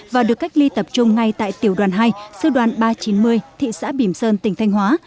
và được cách ly tập trung ngay tại tiểu đoàn hai sư đoàn ba trăm chín mươi thị xã bìm sơn tỉnh thanh hóa